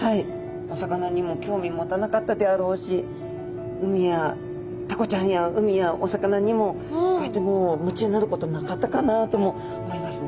お魚にも興味持たなかったであろうし海やタコちゃんや海やお魚にもこうやってもう夢中になることなかったかなとも思いますね。